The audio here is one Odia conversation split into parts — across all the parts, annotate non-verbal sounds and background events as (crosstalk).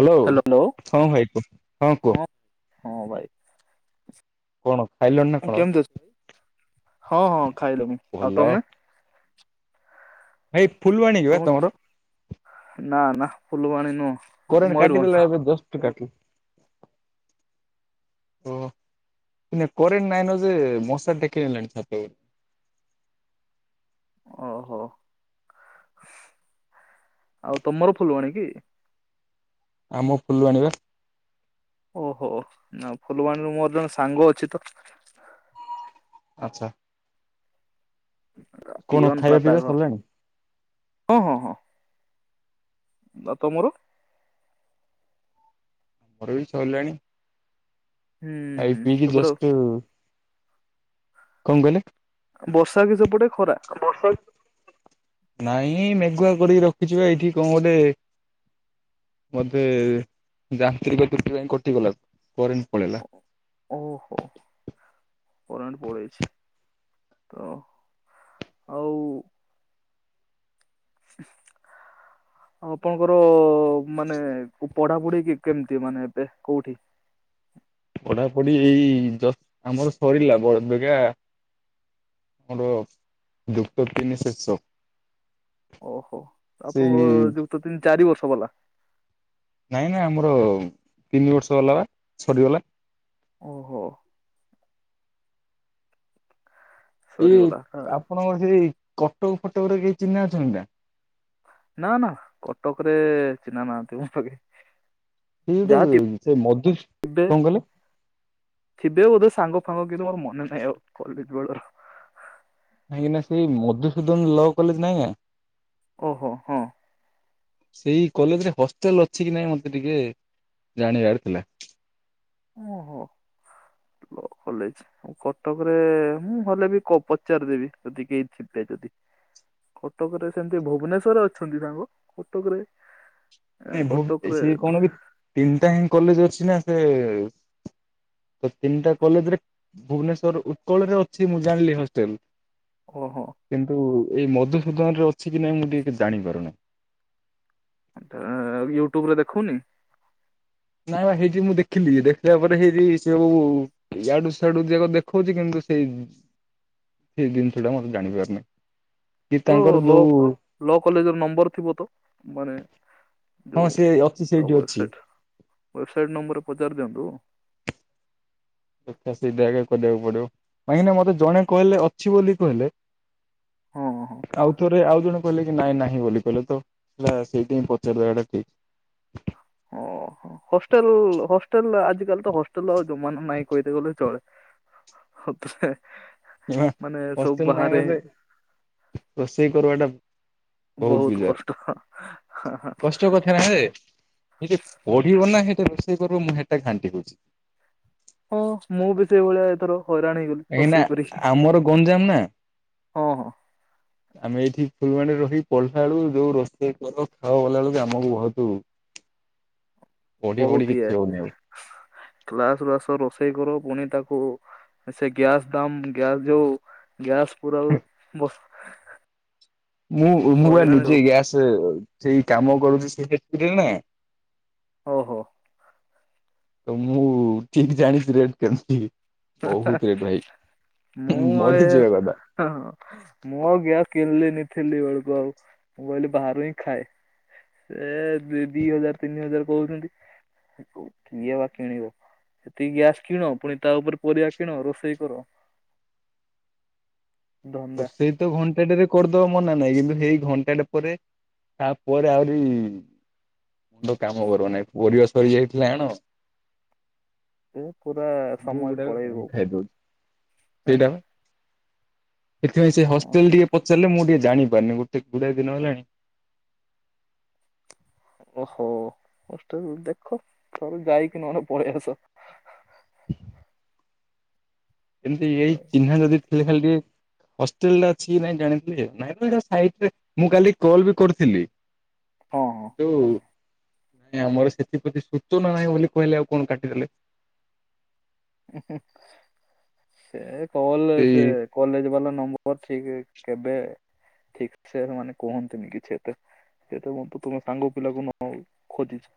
ହ୍ୟାଲୋ ହଁ ଭାଇ କୁହ ହଁ କୁହ? ହଁ ଭାଇ। କଣ! ଖାଇଲଣି ନା କଣ? କେମ୍ତ ଅଛ ହଁ ହଁ ଖାଇଲି ମୁ ଆଉ ଭଲ ତମେ? ଭାଇ ଫୁଲବାଣୀ କି ବା ତମ ତମର? ନା ନା ଫୁଲବାଣୀ ନୁଅ। କରେନ୍ଟ୍ କାଟିଦେଲେ ଏବେ ଦଶ୍ଟ୍ କାଟିଲ ଓ କରେନ୍ ନାଇନ ଯେ ମଶାର ଦେକି ନେଲାଣି ଛପ ଓହୋ। ଆଉ ତମର ଫୁଲବାଣୀ କି? ଆମ ଫୁଲବାଣି ବା। ଓହୋ ନା ଫୁଲବାଣୀରୁ ମୋର ଜଣେ ସାଙ୍ଗ ଅଛି ତ? ଆଚ୍ଛା। କଣ ପିଅନ ଖାଇବା ପତା ପିଇବା ଘର ସରିଲାଣି? ହଁ ହଁ ହଁ। ଆ ତମର? ମୋର ବି ସରିଲାଣି। ହୁଁ ଆଇ ହୁଁ ପି କି ସେପଟେ ଜଷ୍ଟ କଣ କହିଲେ? ବର୍ଷା କି ସେପଟେ ଖରା? ନାଇ ମ ଗୁଆ କରିକି ରଖିଛିିବା ଏଇଠି କଣ ଗୋ ଟେ ମୋଧେ ଯାନ୍ତ୍ରିକ ତ୍ରୁଟି ପାଇଁ କଟିଗଲା। ଫରେନ୍ ପଳେଇଲା। କରେନ୍ ପଲେଇଚି ଆଉ। (inaudible) ଆଉ ଆପଣଙ୍କର ମାନେ ପଢାପଢି କେମିତି ମାନେ ଏବେ କୋଉଠି? ପଢାପଢି ଏଇ ଜତ୍ ଆମର ସରିଲା ବ ବଗା ଆର ଯୁକ୍ତ ତିନି ଶେସ ଓହୋ ଆପଣଙ୍କ ଯୁକ୍ତ ତିନି ଚାରି ବର୍ଷ ବାଲା। ନାଇଁ ନାଇଁ ଆମର ତିନି ବର୍ଷ ଗଲା ବା ସରିଗଲା। ଓହୋ। ଇ ସରିଗଲା ନା ଆପଣଙ୍କର ସେଇ କଟକ ଫଟକ ରେ କେହି ଚିହ୍ନା ଅଛନ୍ତି ନା। ନା ନା କଟକ ରେ ଚିହ୍ନା ନାହାନ୍ତି ମୋକି ସେଇ ଗୋଟେ ଯାହା ସେ ମଧୁ ଥିବେ କଣ କହିଲେ ସାଙ୍ଗ ସାଙ୍ଗ କିନ୍ତୁ ମୋର ମନେ ନାହିଁ ଆଉ କଲେଜ୍ ବଳର କାଇହିଁକିନା ସେ ମଧୁସୂଦନ ଲ କଲେଜ ନାଇଁ ନା? ଓହୋ ହଁ। ସେଇ କଲେଜରେ ହଷ୍ଟେଲ ଅଛି କି ନାଇଁ ମତେ ଟିକେ ଜାଣିବାରଥିଲା। ଓହୋ। କଲେଜ କଟକରେ ମୁଁ ହେଲେ ବି ପଚାରିଦେବି ଯଦି କେହି ଥିବେ। କଟକରେ ସେମିତି ଭୁବନେଶରରେ ଅଛନ୍ତି ସାଙ୍ଗ କଟକରେ ଏ, ନାଇଁ ଭୁବ କଟକରେ ସେ କଣ ବି ତିନିଟା ହି କଲେଜ ଅଛି ନା ସେ ତ ତିନିଟା କଲେଜରେ ଭୁବନେଶ୍ଵର ଉତ୍କଳରେ ଅଛି ମୁଁ ଜାଣିଲି ହଷ୍ଟେଲ। ଓହୋ କିନ୍ତୁ, ଏଇ ମଧୁସୂଦନରେ ଅଛି କି ନାଇଁ ମୁଁ ଟିକେ ଜାଣିପାରୁନାହିଁ। ୟୁଟ୍ୟୁବରେ ଦେଖଉନି। ନାଇଁ ହେଇଟି ମୁଁ ଦେଖିଲି ଦେଖିଲା ପରେ ହେଇଟି ସେବୁ ୟାଡୁ ସ୍ୟାଡୁ ଯାକ ଦେଖଉଛି କିନ୍ତୁ ସେଇ ସେଇ ଜିନିଷଟା ମତେ ଜାଣି ପାରୁନହି। ତ ଲ ଲ କଲେଜର ନମ୍ବର ଥିବ ତ ମାନେ ହଁ ଯୋଉ ସେ ଅଛି ସେଇଠି ଅଛି ୱେବସାଇଟ୍ ୱେବସାଇଟ୍ ନମ୍ବର ପଚାରି ଦିଅନ୍ତୁ। (unintelligible) ଦେଖା ସେଇଟା ଏକା କରିବାକୁ ପଡିବ କାହିଁକି ନା ମତେ ଜଣେ କହିଲେ ଅଛି ବୋଲି କହିଲେ। ହଁ ଆଉ ଥରେ ଆଉ ଜଣେ କହିଲେ କି ନାଇଁ ନାହିଁ ବୋଲି କହିଲେ ତ ହେଲା ସେଇଠି ହିଁ ପଚାରିବାଟା ଠିକ। ହଁ ହଷ୍ଟେଲ ହଷ୍ଟେଲ ଆଜିକାଲି ତ ହଷ୍ଟେଲ ଆଉ ଜମାନା ନାଇଁ କହିତେ ଗଲେ ଚଳେ। (unintelligible) ମାନେ ସବୁ ହଷ୍ଟେଲ ନାଇଁ ବାହାରେ କହିଲେ ରୋଷେଇ କରବାଟା। ବହୁତ ବିଜାର, କଷ୍ଟ କଥା ନାରେ। ସେଠେ ପଢିବ ନା ସେଟା ରୋଷେଇ କରିବ ମୁଁ ସେଟା ଘାଣ୍ଟି ହଉଛି। ହଁ ମୁଁ ବି ସେଇଭଳିଆ ଏଥର ହଇରାଣ ହେଇଗଲି କାହିଁକି ନା ରୋଷେଇ କରିକି, ଆମର ଗଞ୍ଜାମ ନା ହଁ ହଁ। ଆମେ ଏଇଠି ଫୁଲବାଣୀରେ ରହି ପଢିଲା ବେଳକୁ ଯୋଉ ରୋଷେଇ କର ଖାଅ ଗଲା ବେଳକୁ ଆମକୁ ବହୁତ (inaudible) ପଢି ପଢି ବହୁତ କିଛି ଇଏ ହଉନି ଆଉ। କ୍ଲାସରୁ ଆସ ରୋଷେଇ କର। ପୁଣି ତାକୁ ସେ ଗ୍ୟାସ ଦାମ ଗ୍ୟାସ ଯୋଉ ଗ୍ୟାସ ପୁରାଓ (unintelligible) ମୁଁ ମୁଁ ବା ନିଜେ ଗ୍ୟାସ ସେଇ କାମ କରୁଛି ସେ ନା ଓହୋ। ତ ମୁଁ ଠିକ ଜାଣିଛି ରେଟ କେମିତି। ହା ହା। ବହୁତ ରେଟ୍ ଭାଇ ମୁଁ ଏ ମରିଯିବା କଥା। ମୁଁ ଆଉ ଗ୍ୟାସ କିଣିଲିନି। ଥିଲି ବେଳକୁ ଆଉ ମୁଁ କହିଲି ବାହାରୁ ହିଁ ଖାଏ। ସେ ଦି ହଜାର ତିନି ହଜାର କହୁଛନ୍ତି। ଏ ବା କିଣିବ ସେତିକି ଗ୍ୟାସ୍ କିଣ ପୁଣି ତା ଉପରେ ପରିବା କିଣ ରୋଷେଇ କର। ଧନ୍ଦା ରୋଷେଇ ତ ଘଣ୍ଟାଟେରେ କରିଦବା ମନା ନାହିଁ କିନ୍ତୁ ସେଇ ଘଣ୍ଟାଟ ପରେ ତାପରେ ଆହୁରି ମ ତ କାମ କର ନାହିଁ ପରିବା ସରି ଯାଇଥିଲେ ଏ ପୁରା ବହୁ ସମୟ ବୁଡା ପଳେଇବ ଖାଇଦଉ ପୁରା ସେଇଟାପା। ଏଥିପାଇ ସେ ହଷ୍ଟେଲ ଟିକେ ପଚାରିଲେ ମୁଁ ଟିକେ ଜାଣିପାରୁନି ଗୋଟେ ଗୁଡ଼ାଏ ଦିନ ହେଲାଣି। ଓହୋ ହଷ୍ଟେଲ ଦେଖ ଥରେ ଯାଇକ ନହେଲେ ପଳାଇ ଆସ। (inaudible) ଏମିତି ଏଇ ଆଉ ଚିହ୍ନା ଯଦି ଥିଲେ ଖାଲି ଟିକେ ହଷ୍ଟେଲଟା ଅଛି କି ନାଇଁ ଜାଣିଥିଲି ନାଇ ମୁଁ କାଲି କଲ୍ ବି କରିଥିଲି। ହଁ ହଁ। କିନ୍ତୁ, ନାଇଁ ଆମର ସେଥିପ୍ରତି ସୂଚନା ନାହିଁ ବୋଲି କହିଲେ ଆଉ କଣ କାଟିଦେଲେ। ସେ କଲ ସେଇ ସେ କଲେଜ ବାଲା ନମ୍ବର ଠିକ କେବେ ଠିକ ସେ ମାନେ କୁହନ୍ତିନି କିଛି ତ ସେଇଟା ମୋତେ ପୁଣି ସାଙ୍ଗ ପିଲାକୁ ନ ଖୋଜିଛ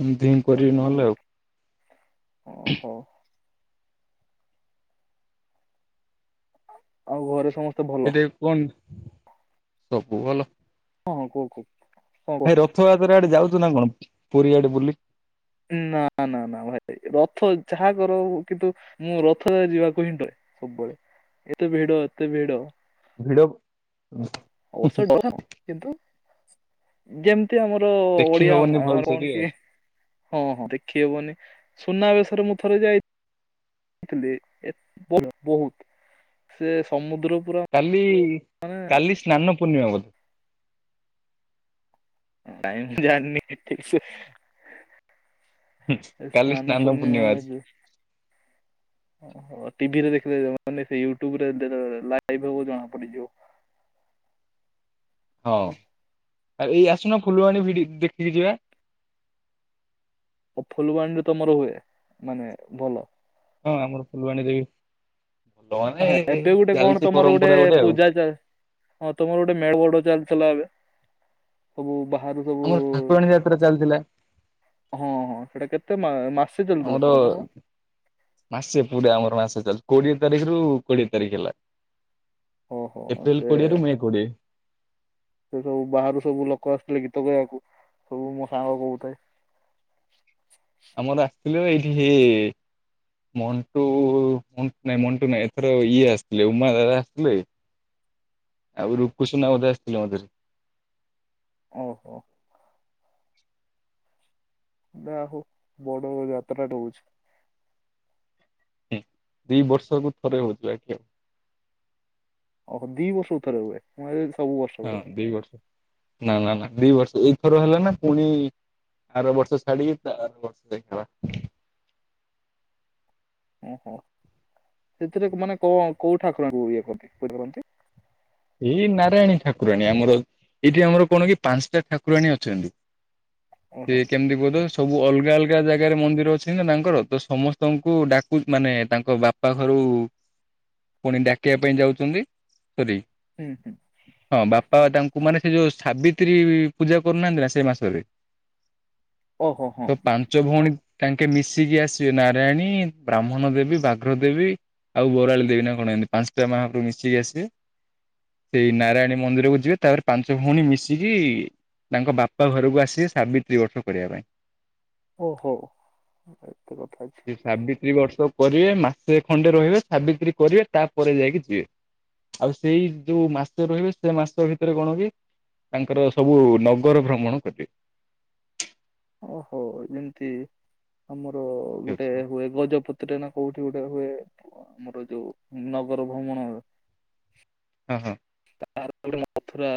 ସେମତି ହିଁ କରିବି ନହେଲେ ଆଉ। ଓହୋ। ଆଉ ଘରେ ସମସ୍ତ ଏଇଟା କୁହନ୍ତୁ ସବୁ ଭଲ। ହୁଁ ହଁ କୁହ କୁହ। କଣ ଏ କୁହ? ରଥଯାତ୍ରା ଆଡେ ଯାଉଚୁ ନା କଣ ପୁରୀ ଆଡେ ବୁଲିି? ନା ନା ନା ଭାଇ। ରଥ ଯାହା କର କିନ୍ତୁ ମୁଁ ରଥରେ ଯିବାକୁ ହି ଡରେ ସବୁବେଳେ। ଏତେ ଭିଡ଼ ଏତେ ଭିଡ଼ ଭିଡ଼ ଔଷଧ କିନ୍ତୁ ଯେମ ତି ଆମର ଦେଖି ଓଡିଆ ହବନି ଆମର ଭଲସେ କଣ ଟିକେ କି ହଁ ହଁ ଦେଖିହବନି। ସୁନାବେଶରେ ମୁଁ ଥରେ ଯାଇ ଥିଲି ଏଟ୍ ବହୁ ବହୁତ ସେ ସମୁଦ୍ରକୁ କାଲି କାଲି ସ୍ନାନ ପୂର୍ଣ୍ଣିମା ବୋଧେ। ଟାଇମ ଜାଣନି ହେଇଚି? ଏ ସ୍ନାନ ପୂର୍ଣ୍ଣିମା ଯୋଉ ଓହୋ। ଟିଭିରେ ଦେଖିଲେ ଜଣା ନାଇ ୟୁଟ୍ୟୁ୍ବ ଲାଇଭ ହବ ଜଣା ପଡିଯିବ। ହଁ ଆ ଏଇ ଆସୁନ ଫୁଲବାଣୀ ଭିଡି ଦେଖିକି ଯିବା। ଓ ଫୁଲବାଣୀରେ ତମର ହୁଏ ମାନେ ଭଲ? ହଁ ଆମର ଫୁଲବାଣୀ ରେ ବି ହଁ ଏବେ ଗୋଟେ କଣ ତମର ଗୋଟେ ପୂଜା ଚା, ହଁ ତମର ଗୋଟେ ମେଳ ବଡ ଚାଲିଛି। ଲା ଆଗେ ସବୁ ବାହାରୁ ସବୁ ଆମର ଠାକୁରାଣୀ ଯାତ୍ରା ଚାଲିଥିଲା। ହଁ ହଁ ସେଟା କେତେ ମାସ ମାସେ ଚାଲୁଥିଲା ଆମର କରୋନା ମ ମାସେ ପୁରା ଆମର ମାସେ ଚାଲିଥି କୋଡିଏ ତାରିଖରୁ କୋଡିଏ ତାରିଖ ହେଲା। ଓହୋ ଏପ୍ରିଲ ସେ କୋଡ଼ିଏରୁ ମେ କୋଡ଼ିଏ। ସେ ସବୁ ବାହାରୁ ସବୁ ଲୋକ ଆସିଥିଲେ ଗୀତ ଗାଇବାକୁ। ସବୁ ମୋ ସାଙ୍ଗ କହୁଥାଏ। ଆମର ଆସିଥିଲେ ଏଇଠି ହେ ମଣ୍ଟୁୁଁ ମଣ୍ଟୁ ନାାଇଁ ଏଥର ଇଏ ଆସିଥିଲେ ଉମା ଦାଦା ଆସିଥିଲେ। (inaudible) ଆଉ ରୂପ କୁସୁ ନା ବୋଧେ ଆସିଥିଲ ମଝିରେ? ଓହୋ। ଯା ହଉ ବଡଡ ଯାତ୍ରା ହଉଚି। ଦିଇ ବର୍ଷକୁ ଥରେ ହଉଛି ଏଠି। ଓ ହୋ ଦି ବର୍ଷ କୁ ଥରେ ହୁଏ? ସବୁ ବର୍ଷ ହଁ ହୁଏ। ଦି ବର୍ଷ ନା ନା ନା ଦି ବର୍ଷ ଏଇଥର ହେଲା ନା ପୁଣି ଆର ବର୍ଷ ଛାଡି ତା ଆର ବର୍ଷ ଯ ହେବ। ଓହୋ ସେଥିରେ ମାନେ କଣ କୋଉ ଠାକୁରଙ୍କୁ ଇଏ କରନ୍ତି ପୁଜା କରନ୍ତି? ଏଇ ନାରାୟଣୀ ଠାକୁରାଣୀ ଆମର ଏଇଠି ଆମର କଣ କି ପାଞ୍ଚଟା ଠାକୁରାଣୀ ଅଛନ୍ତି। ସେ ଓହୋ କେମିତି କୁହତ ସବୁ ଅଲଗା ଅଲଗା ଲଗା ଜାଗାରେ ମନ୍ଦିର ଅଛି ନା ମାଆ ଙ୍କର ତ ସମସ୍ତଙ୍କୁ ଡାକୁ ମାନେ ତାଙ୍କ ବାପା ଘରୁ ପୁଣି ଡାକିବା ପାଇଁ ଯାଉ ଚନ୍ତି ପୁରୀ ହୁଁ ହୁଁ ହଁ ବାପା ତାଙ୍କୁ କୁମାର ସେ ଯୋଉ ସାବିତ୍ରୀ ପୂଜା କରୁନାହାନ୍ତି ନା ସେଇ ମାସରେ ଓହୋ ହଁ ତ ପାଞ୍ଚ ଭଉଣୀ ତାଙ୍କେ ମିଶିକି ଆସିବେ ନାରାୟଣୀ ବ୍ରାହ୍ମଣ ଦେବୀ ବାଘ୍ର ଦେବୀ ଆଉ ବରାଳି ଦେବି ନା କଣ ଏ ମତି ପାଞ୍ଚଟା ମାହପୁରୁ ମିଶିକି ଆସିବେ। ସେଇ ନାରାୟଣୀ ମନ୍ଦିରକୁ ଯିବେ ତାପରେ ପାଞ୍ଚ ଭଉଣୀ ମିଶିକି ତାଙ୍କ ବାପା ଘରକୁ ଆସିି ସାବିତ୍ରୀ ବର୍ଷ କରିବା ପାଇଁ ଓହୋ ଏତ କଥା ଅଛି। ସେ ସାବିତ୍ରୀ ବର୍ଷ କରିବେ ମାସେ ଖଣ୍ଡେ ରହିବେ ସାବିତ୍ରୀ କରିବେ ତାପରେ ଯାଇକି ଯିବେ ଆଉ। ସେଇ ଯୋଉ ମାସ ରହିବେ ସେ ମାସ ଭିତରେ କଣ କି? ତାଙ୍କର ସବୁ ନଗର ଭ୍ରମଣ କଲେ ଓହୋ ଯେମିତି ଆମର ଏମିତି ଗୋଟେ ଅଛି। ହୁଏ ଗଜପତିରେ ନା କୋଉଠି ଗୋଟେ ହୁଏ ଆମର ଯୋଉ ନଗର ଭ୍ରମଣ। ହଁ ହଁ। ତା ଗୋଟେ ମଥୁରା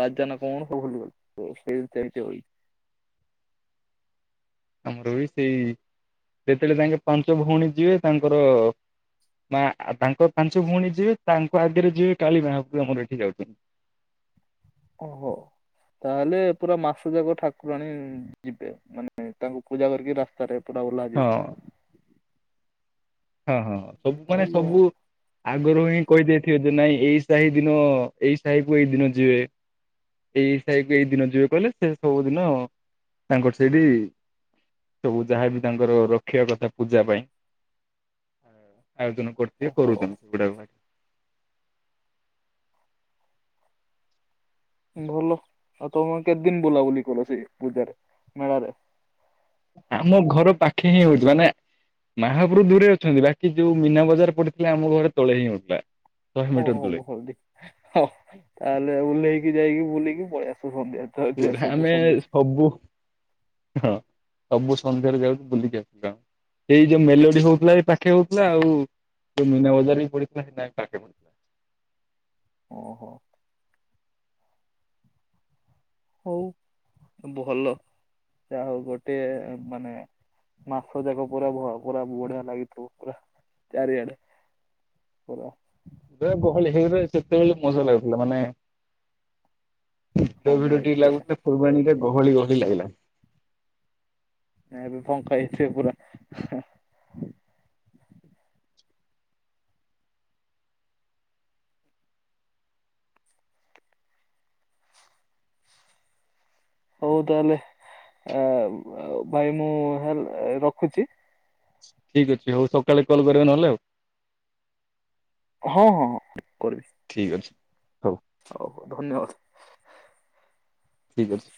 ରାଜଜା ନା କମଣ ଭଲଗ ତ ସେଇ ଚାହିଛି ହ ଆମର ବି ସେଇ ଯେତେବେଳେ ତାଙ୍କେ ପାଞ୍ଚ ଭଉଣୀ ଯିବେ ତାଙ୍କର ମା ତାଙ୍କ ପାଞ୍ଚ ଭଉଣୀ ଯିବେ ତାଙ୍କ ଆଗରେ ଯିବେ କାଳୀ ମାହା ଆମର ଏଠି ଯାଉଛନ୍ତି। ଓହୋ। ତାହେଲେ ପୁରା ମାସ ଯାକ ଠାକୁରାଣୀ ଯିବେ ମାନେ ତାଙ୍କୁ ପୂଜା କରିକି ରାସ୍ତାରେ ପୁରୁରା ଓଲା ହଁ ଯିବ। ହଁ ହଁ ସବୁ ମାନେ ଭଲ ସବୁ ଆଗରୁ ହିଁ କହିଦେଇ ଯେ ନାଇଁ ଏଇ ସାହି ଦିନ ଏଇ ସାହି କୁ ଏଇ ଦିନ ଯିବେ ଏଇ ସାହିକୁ ଏଇ ଦିନ ଯିବେ କହିଲଲେ ସେ ସବୁଦିନ ତାଙ୍କର ସେଇଠି ସବୁ ଯାହାବି ତାଙ୍କର ରଖିବା କଥା ପୂଜା ପାଇଁ ଆଉଜନ କରଛି ଓହୋ କରୁଛ ସେଡ ଭ ଭଲ ଆଉ ତମେ କେତେ ଦିନ ବୁଲାବୁଲି କଲ ସେ ପୂଜାରେ ମେଳାରେ? ଆମ ଘର ପାଖେ ହିଁ ହଉଛି ମାନେ ମହାପ୍ରଭ ଦୂରେ ଅଛନ୍ତି ବାକି ଯୋଉ ମୀନା ବଜାର ପଡିଥିଲା ଆମ ଘରେ ତଳେ ହିଁ ଉଠଥିଲା ଓହୋ ଭଲଦ ହଉ ତାହେଲେ ଓହ୍ଲେଇକି ଯାଇକି ବୁଲିକି ପଳେଇଆସ। ପା ଆମେ ସବୁ ହଁ ସବୁ ସନ୍ଧ୍ୟାରେ ଯାଉ ବୁଲିକି ଆସ ଏଇ ଯୋଉ ମେଲୋଡି ହଉଥିଲା ଏଇ ପାଖେ ହଉଥିଲା ଆଉ ତ ମନା ବଜାର ବି ପଥିଲା ସୋଇ ପାଖେ ପଥିଲା ଓହୋ। ହଉ ଭଲ ଯାହା ହଉ ଗୋଟେ ମାନେ ମାସ ଯାକ ପୁରା ପୁରା ବଢିଆ ଲାଗିଥିବ ପୁରା ଚାରିଆଡେ କୁର ଗହଳି ହେଇରେ ସେତେବେଳେ ମଜା ଲାଗୁଥିଲା ମାନେ ଭିଡ ହମ ଭିଡ ଟିକେ ହେଇଥିଲେ ଲାଗୁ ଫୁଲବାଣୀରେ ଗହଳି ଗହଳି ଲାଗିଲା। ନାଁ ଏବେ ପଖାଇଛ ପୁରା? ହଉ ତାହେଲେ ଭାଇ ମୁଁ ରଖୁଛି। ଠିକ ଅଛି ହଉ ସକାଳେ କଲ କରିବା ନହେଲେ ଆଉ। ହଁ ହଁ ହଁ କର। ଠିକ ଅଛି ହ। ହଉ ହଉ ଧନ୍ୟବାଦ। ଠିକ୍ ଅଛି।